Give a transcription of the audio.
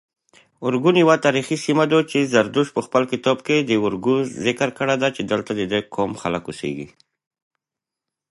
وروسته یې نوې ډبرې انقلاب ته زمینه برابره کړه.